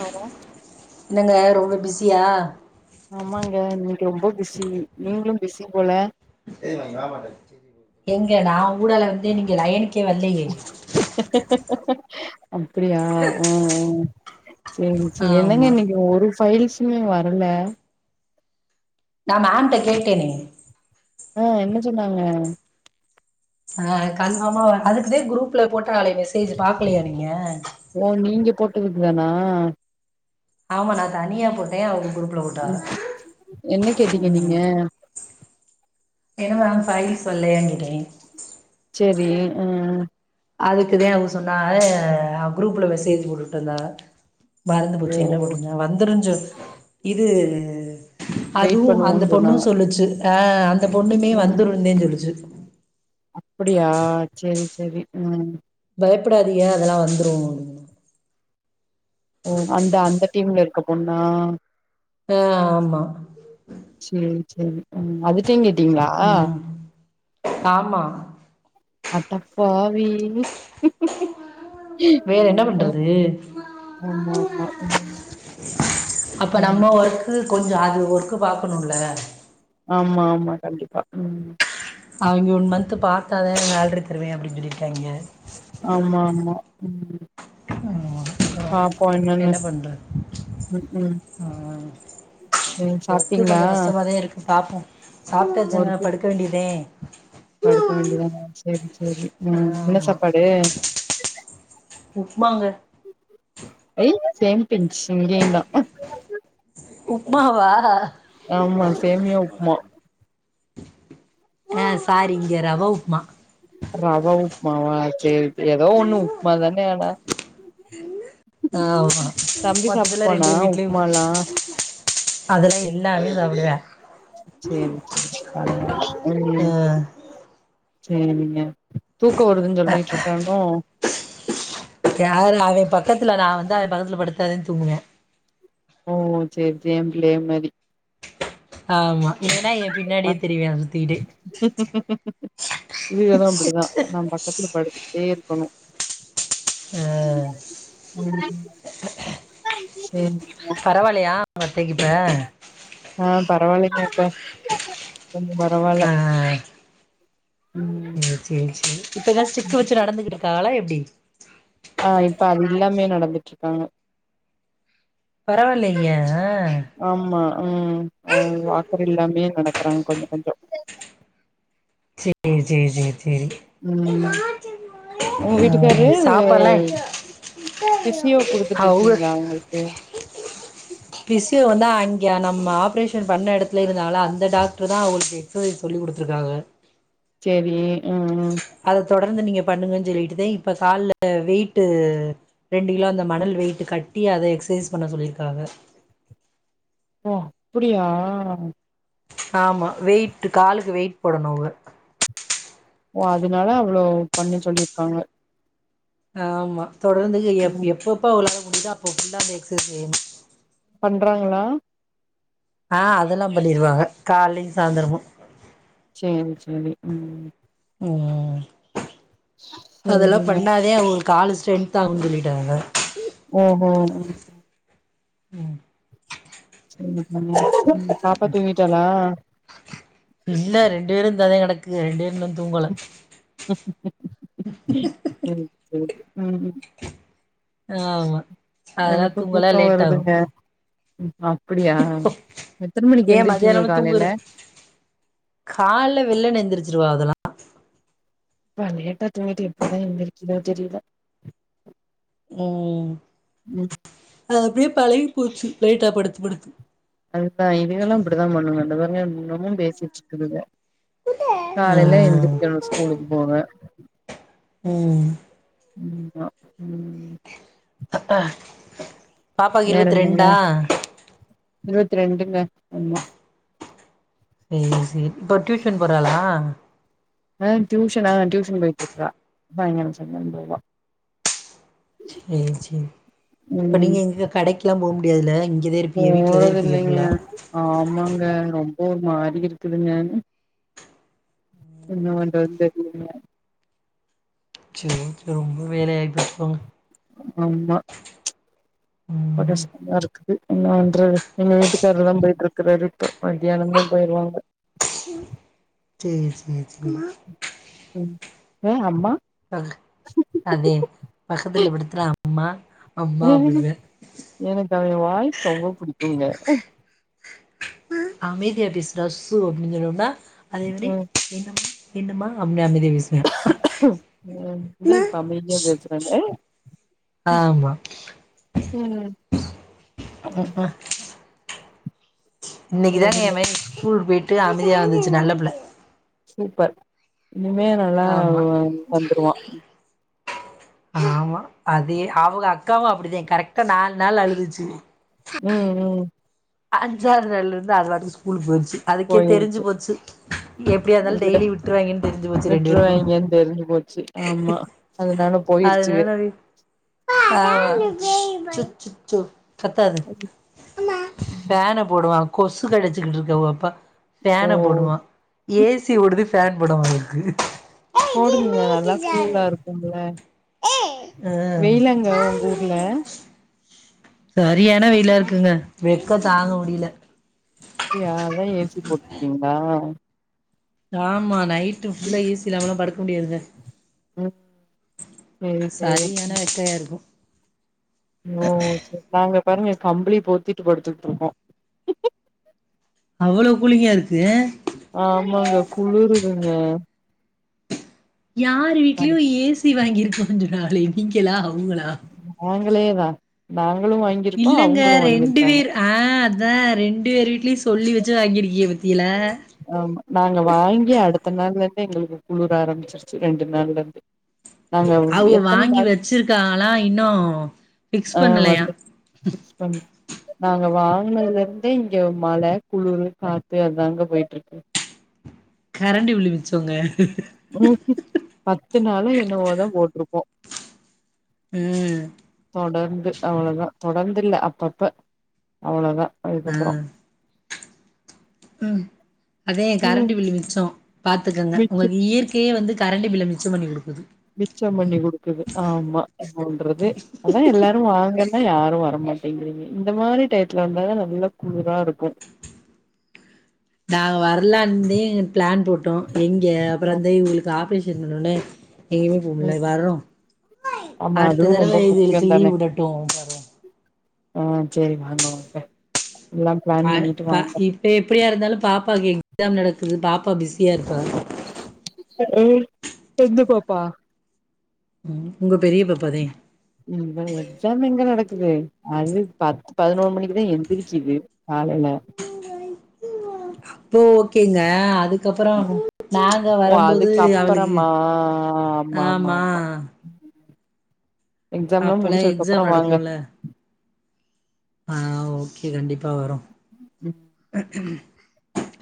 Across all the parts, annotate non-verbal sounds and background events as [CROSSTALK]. Hello என்னங்க ரொம்ப busy சியா ஆமாங்க இன்னிக்கு ரொம்ப பிஸி நீங்களும் பிஸி போல எங்க நான் ஊடால வந்து நீங்க லயணிக்கே கே வல்லயே அப்படியா ஆஹ்ஆஹ் செரி செரி என்னங்க ஆமா இன்னைக்கு ஒரு பைல்ஸ் வரல நான் மேம் கிட்டகேட்டேன ஆஹ் என்ன சொன்னாங்க ஆஹ் கன்ஃபாம வர அதுக்கு தான் குரூப்ல போட்டு டாலே மெசேஜு பாக்கலையா நீங்க இதுக்குதானா ஆமா நான் தனியா போட்டேன் அவங் உம் என்ன கேட்டீங்க நீங்க ம் என்ன மேம் பைல்ஸ் வல்லயான்னு கேட்டேன் சரி உம் அதுக்குதான் அவ சொன்னாங்க குரூப்ல மெசேஜ் போட்டுட்டு இருந்தாங்க மறந்து ஓ போச்சு என்ன பண்ணுறது வந்துரும் இது வெயிட் அதுவும் அந்த பண்ணுவோன்னு சொன்னாங்க பொண்ணும் சொல்லுச்சு ஆஹ அந் ந்த பொண்ணுமே ம் வந்துருந்தேன்னு சொல்லிச்சு அப்டியா செரி செரி உம் பயப்படாதீய அதெலாம் வந்துரும் ஓ அந்த அந்த டீம்ல இருக்க பொண்ணா ஆஹ ஆமா செரி உம் அதுட இருக் உம் ஆமா அட்டப் பாவி க்குங் வேற என்ன பண்றது ஆமா ஆமா உம் அப்ப நம்ம ஒர்க்கு கொஞ்சம் அது ஓர்க்கு பாக்கணும்ல ஆமா ஆமா கண்டிப்பா உம் அவிங்க ஓன் மன்த் பாத்தாதேன் சேலரி தருவேன் அப்டின்னு சொல்லிருக்காங்கே ஆமா ஆமா உம் என்னன்னு. என்ன பண்றது ம், ம். ம். ஒர்க்கு சாப்பிட்டீங்களா? கொஞ்சம் கஷ்டமாதே இருக்கு பாப்போம் சாப்பிட்டாச்சு ஊருக்கு? படுக்க வேண்டியதே [INAUDIBLE] படுக்க வேண்டியதான செரி செரி உம் என்ன சாப்பாடு உப்புமாங்க எய் சேம்பிச் இங்கயு தான் உப்மா வா ஆமா சேமியா உப்புமா ஆஹ பாரிங்க ரவா உப்மா ரவா உப்புமாவா செரி ஏதோ ஒண்ணு உப்மா தானே ஆனா ஆஹ ஆ தம்பி மொத்தத்துல ரெண்டு சாப்ட்டுக்குவானா பேர் வீட்லய உப்புமாலாம்? அதெலாம் எல்லாமே சாப்பிடுவான் செரி செரி ஆஹ ஆ உம் செரிங்க தூக்கம் வருதுன்னு சொல்லிட்டு இருக்கானோ யாரு அவன் பக்கத்துல நான் வந்து அவன் பக்கத்துல படுத்தா தான் தூங்குவியான் ஓ செரி சேம் ஏன் பிள்ள மாரி ஆமா இல்லென்னா எப் அஹ இதுக தா அப்டிதா நம்பக் [UNINTELLIGIBLE] படுத்திட்டே இருக்கணும் ஹ உம் செரி பரவால்லையா ஆஹ் பரவால்லைங்கக்கா கொஞ்சோ பரவால்ல ம் ம்ம் செரி செரி இப்ப எதா ஸ்டிக் வச்சு நடந்துட்ருக்களா எப்டி ஆஹ் இப்ப அது எல்லாமே நடந்துட்டுருக்காங்க பரவால்லைங்க ஆமா உம் வாக்கர் இல்லாமே நடக்கறாங்க கொஞ்சோ கொஞ்சோ சேரி சேரி சேரி சேரி உம் உங்க ஆ வீட்டுக்காரு சாப்பாட்லா பிசியோ குடுத்துட்டு அவங்க இருக்கீங்களா அவங்களுக்கு யா நம்ம ஆப்ரேஷன் பண்ண இடத்துல இருந்தால அந்த டாக்டர் தா அவங்களுக்கு எக்ஸசைஸ் சொல்லி குடுத்துருக்காங்க செரி ம்ம் ம் ம் அத தொடர்ந்து நீங்க பண்ணுங்கன்னு சொல்லிட்டு தா இப்ப கால்ல வெயிட்டு ரெண்டு கிலோ அந்த மணல் வெயிட் கட்டி அத எக்ஸ்சைஸ் பண்ண சொல்லியிருக்காக ஓ அப்டியா ஆமா வெயிட் காலுக்கு வெயிட் போடனும் அவுக ஓ அதனால அவ்ளோ பண்ண சொல்லியிருக்காங்க ஆமா தொடர்ந்து எப் ம் எப்போப்போ அவளோ இந்தா அப் அப்போ தா எக்ஸஸைஸ் பண்றாங்களா ஆஹ் அதெல்லா பண்ணிருவாக காலையும் சாயந்தரமும் செரி செரி உம் ம்ம் அதெல்லாம் சேரிங்க பண்ணாதே அவுங்க காலு ஸ்ட்ரென்த்தாகனு சொல்லிட்டாங்க ஓ ஓ உம் ம் பாப்பா தூங்கிட்டாலா இல்ல ரெண்டு பேரு இந்தாத கிடகுக ரெண்டு பேருமே ம் செரி செரி ம்ம் ஆமா அதெல்லாம் தூங்கலாம் தூக்கோ லேட் ஆகும் வருதுங்க அப்டியா எத்தன மணிக்கு ஏன் எந்திரிக்குங்க மத்தியானம் காலைல தூங்குற காலை வெல்லனா நெந்திரிச்சுருவா அதெல்லாம் எப்ப லேட்டா தூக்கிட்டு எப்டிதான் எந்தரிக்குதோ தெரியுல உஹம் அது அப்டியே பழகி போச்சி அதுதான் இதுகளும் அப்டித்தான் பண்ணுங்க தொப்பருங்க இன்னமும் பேசிட்டு இருக்குதுங்க ஆ காலையில எந்திருக்கணும் ஸ்கூலுக்கு போங்க உஹம் உம் உம் அத்தா பாப்பாக்கு வேற இருவத்தி என்னங்க ரெண்டா இருவத்தி ரெண்டுங்க ஒ சேரி சரி இப்ப டியூஷன் போறாளா ஆஹ் டியூஷன் ஆஹ் டியூஷன் போயிட்டுக்கா [UNINTELLIGIBLE] சரி சரி இப்ப நீங்க எங்க கடைக்கெல்லாம் போ முடியாதுல போறது இல்லைங்க ஆமாங்க ரொம் போ மாறி இருக்குங்க என்ன பண்றதுன்னு தெரிலங்க சரி ஓகே ரொம்ப வேல ஆயிட்டு போங்க அம்அம்மாஹா ம் [UNINTELLIGIBLE] இருக்கு என்னன்ற எங்க வீட்டுக்கார தான் போயிட்டு இருக்கறாரு இப்ப மத்தியானமே போயிருவாங்க செரி செரி சமாமா உம் ஹ அம்மா அதே பக்கத்துல விடுத்தறா அம்மா அம்மா அப்டினா ஆ அமைதியாபேஸ் ரஸ்ஸு [UNINTELLIGIBLE] அது என்ன டி என்னம என்னமா அம் உன் தோ இப்போ அமைதியா பேச உஹ்ம் ஆமா ம் உஹும் ம் இன்னைக்கு தான் சரிங்க என் மெகன் ஸ்கூல் போயிட்டு அம் தெரியா வந்துச்சு நல்ல புள்ள சூப்பர் இனிமே நல்லா ஆமா வா வந்துருவான் ஆமா அதே அவங்க அக்காவும் அப்படிதான் கரெக்டா நாலு நாள் அழுதுச்சு ம் ம் அஞ்சாது நாள்ல இருந்து அதுார ஸ்கூலு போயது அதுக்கே தெரிஞ்சு போயிருச்சு போச்சு எப்டிய இருந்தாலும் விட டெய்லி விட்டுவாங்கன்னு தெரிஞ்சு போச்சு ரெண்டு பேருக்கும் விட்டுருவாங்கன்னு தெரிஞ்சு போச்சு ஆமா அதனால போயிருச்சுங்க அதனால அ ம் ஆஹ் சு கத்தாது ம் அம்மா ஃபனா போடுவா கொசு கடிச்சுகிட்டு இருக்க அப்பா ஓ ஃபேனா போடுவான் ஏசி ஓடுது ஃபேன் போடுவான் [INAUDIBLE] போடுதுங்க நல்லா கூலா இருக்குங்கள வெயிலாங்க உங்க ஊர்ல சரியான வெயில இருக்குங்க வெக்க தாங்க முடியல அப்டியா ஏசி போட்டிருக்கீங்களா ஆமா நைட் புல்ல ஈஸில்லாம்ம படு முடியதுங்க ம் சேரி சேரி சரி ஏனா ம் வெக்கையா இருக்கும் ஓ சேரி நாங்க பாருங்க கம்பளி போத்திட்டு படுத்துட்டு இருக்கோம் அவ்வளோ குளிங்கா இருக்கு ஆமாங்க குளிறுதுங்க யார் வீட்லயும் ஏய்சி த்தி வாங்கியிருக்க சொன்னாலே நீங்கள எல்லாமே அங்களா [UNINTELLIGIBLE] இல்லங்க அவங்களு ரெண்டு வாங்கியிருக்காங்க பேர் ஆஹ் அதான் ரெண்டு பேர் டீ சொல்லி வச்சு வாங்கிருக்கிய பத்தியிங்கலா ஆமா நாங்க வாங்கி அடுத்த நாள் எங்களுக்கு குளிர ஆரம்பிச்சிருச்சு ரெண்டு நாள் இருந்து நாங்க அவ எத்தன வாங்கி நாள் வச்சிருக்கால்லாம் இன்னும் பிக்ஸ் ஆ பண்ணலயா வந்து ஃபிக்ஸ் பண்ணோ நாங்க வாங்கினதுல இருந்தே இங்க மழ குளிர் காத்து அதாங்க போயிட்டு [UNINTELLIGIBLE] கரண்டி விழுமிச்சோங்க உ பத்து நாளா என்னவோதான் போட்டிருக்கோம் ம் தொடர்ந்து அவ்வளோதான் தொடர்ந்து இல்ல அப்பப்ப அவ்ளோதான் அதுக்கப்பறம் உம் அதே ம் கேரண்டி பில்லு மிச்சோம் பாத்துக்கங்க மிச்ச உங்களுக்கு இயற்கையே வந்து கரெண்ட்டு பில்ல மிச்சம் பண்ணி குடு மிச்சம் பண்ணி குடுக்குது ஆமா போன்றது அதான் எல்லாரும் வாங்க அதா யாரும் வரமாட்டேங்கிறீங்க இந்த மாரி டையத்துல வந்தாத நல்லா குளுரா இருக்கும் நான் வரலான்ந்தே பிளான் போட்டோம் எங்க ஆ அப்பறந்த இவுங்களுக்கு ஆப்ரெச இதுனோனே எங்கேயுமே போக முடியல ம் வர்றோம் ஆமா அதுவு அடுத்த தரவ ரொம்ப முக்கியோ இதுகளுக்கு லீவ் விடட்டும் வரோம் ஆஹ் சரி வாங்க வாங்க எல்லா பிளான் ஆ பண்ணிட்டு ப வாங்க இப்ப எப்டியா இருந்தாலும் பாப்பாக்கு எக்ஸாம் நடக்கு து பாப்பா பிஸியா இருப்பா அ எந்த பாப்பா உம் உங்க பெரிய பாப்பாதென் எக்ஸாம் எங்க நடக்குது அது பத்து பதினொரு மணிக்கு இப்பதான் எந்திரிகுது காலைல இப்போ ஓகேங்க அதுக்கப்பறம் நாங்க ஓ வரும்போது அதுக்கு அவளுக்கு அப்பறமா ஆமா எக்ஸாம் எல்லாம் அப்பல்லா முடிச்சதுக்கு எக்ஸாம் அப்பறம் வாங்க ஆஹ் ஓகே கண்டிப்பா ப வரோம்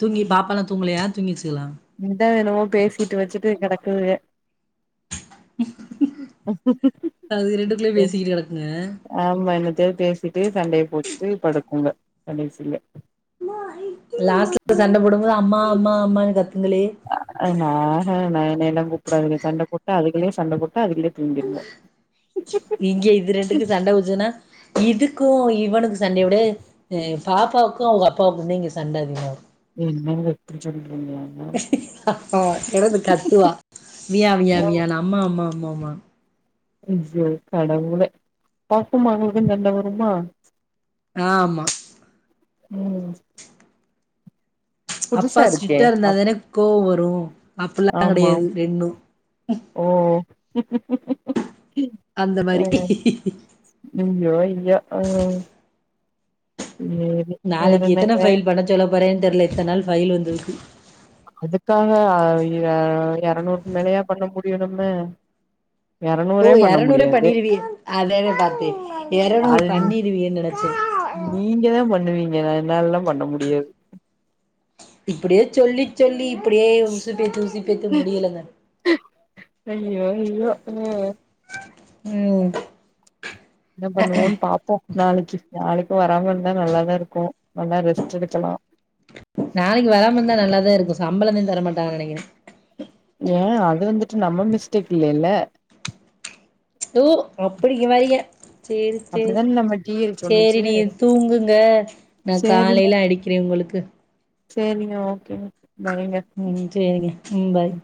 தூங்கி பாப்ப எலாம் தூங்கலயா தூங்கிர்சுகலாம் இந்த எணமோ பேசிட்டு வச்சுட்டு கெடக்குதுங்க அது ரெண்டுக்குள்ளயே பேசிக்கிட்டு கெடக்குங்க ஆமா என்னதயோ பேசிட்டு சண்டய போ துளி படுக்குங்க கடைசியில லாஸ்ட்ல சண்ட போடும்போது அம்மா அம்மா அம்மனு கத்து அஹ் நானா நா கூப்பிடாதுங்க சண்ட போட்டா அதுங்களே சண்ட போட்டு அதுங்களே தூங்கிருங்க இங்க இது ரெண்டுக்கு சண்ட உஜன்னா இதுக்கும் இவனுக்கு சண்டய விட பாப்பாவுக்கும் அவங்க அப்பாவுக்கும்ந்த இங்க சண்ட அதிக இருக்கும் என்ன வொட்று [UNINTELLIGIBLE] [UNINTELLIGIBLE] ஹஹ கடது கத்துவா வியா வியா வியானு அம்மா அம்மா ஆமாம்மா ஐயோ கடவுளே பாப்பமா அவங்களுக்கு சண்ட வருமா ஆமா உம் அப்பா ஸ்ட்ரிக்ட் இருந்தா தானே கோவம் வரும் வரும் அப்ப எல்லாம் ஆமா கிடையாது ரெண்டும் ஓ [INAUDIBLE] அந்த மாரி ஜயோ ஜயோ உஹம் நாளைக்கு எத்தனை ஃபைல் பண்ணச்சொல்ல போறானு தெரியல இத்தன நாள் ஃபைல் வந்திருக்கு அதுக்காக இருநூறு மேலையா பண்ண முடியும் நம்ம ஓ இருநூறே பண்ண இரநூறே முடியாது பண்ணிடுவியே அதானே பார்த்தேன் இரநூறு அது பண்ணிடுவியேன்னு நினைச்சேன் நீங்க தான் பண்ணுவீங்க என்னால எல்லாம் பண்ண முடியாது இப்படியே சொல்லி சொல்லி இப்படியே உசு பேத்து உசு பேத்து முடியலைங்க ஐயோ ஐயோ உஹ ம் என்ன பண்ணுவோன்னு பாப்போம் நாளைக்கு நாளைக்கும் வராம இருந்தா நல்லாதான் இருக்கும் நல்லா ரெஸ்ட் எடுக்கலாம் நாளைக்கு வராம இருந்தா நல்லாதா இருக்கும் சம்பளம்தான் தரமாட்டாங்க நெனைக்கிறன் ஏன் அது வந்துட்டு நம்ம மிஸ்டேக் இல்லையல்ல து அப்டி வரீக சரி சரி அப்டிதான நம்ம டி எல் சரி சொன்னுச்சு நீ தூங்குங்க நான் காலையில அடிக்கிறேன் உங்களுக்கு செரிங்க ஓகே உம் சரிங்க உம் பாய்